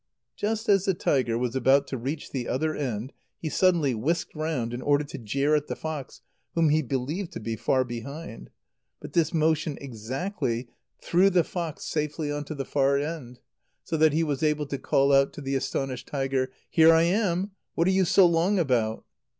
Just as the tiger was about to reach the other end, he suddenly whisked round, in order to jeer at the fox, whom he believed to be far behind. But this motion exactly threw the fox safely on to the far end, so that he was able to call out to the astonished tiger: "Here I am. What are you so long about?"